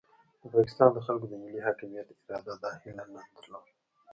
د پاکستان د خلکو د ملي حاکمیت اراده دا هیله نه درلوده.